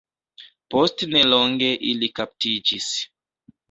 Post nelonge ili kaptiĝis.